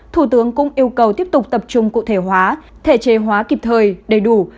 thủ tướng cũng yêu cầu tiếp tục tập trung cụ thể hóa thể chế hóa kịp thời đầy đủ